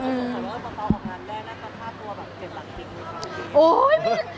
ถ้าไข่ชมผ่าแม่อีกมากค่าตัวแบบเจ็บหักนึงไหมคะ